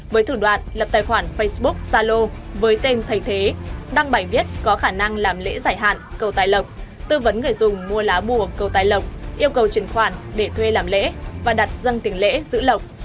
với thủ đoạn lập tài khoản facebook zalo với tên thầy thế đăng bài viết có khả năng làm lễ giải hạn cầu tài lộc tư vấn người dùng mua lá bùa cầu tài lộc yêu cầu chuyển khoản để thuê làm lễ và đặt dân tiền lễ giữ lộc